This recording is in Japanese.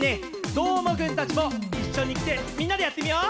どーもくんたちもいっしょにきてみんなでやってみよう！